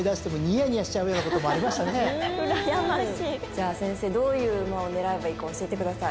じゃあ先生どういう馬を狙えばいいか教えてください。